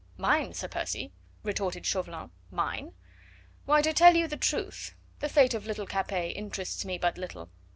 "Mine, Sir Percy?" retorted Chauvelin. "Mine? Why, to tell you the truth, the fate of little Capet interests me but little.